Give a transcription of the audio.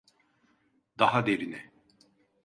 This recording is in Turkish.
Daha derine.